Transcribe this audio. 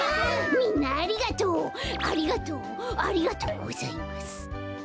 みんなありがとうありがとうありがとうございます。